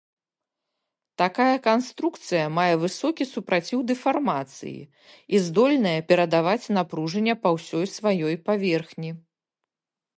Такая канструкцыя мае высокі супраціў дэфармацыі і здольная перадаваць напружанне па ўсёй сваёй паверхні.